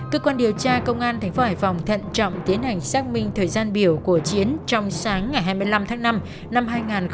cơ quan điều tra công an thành phố hải phòng thận trọng tiến hành xác minh thời gian biểu của chiến trong sáng ngày hai mươi năm tháng năm năm hai nghìn một mươi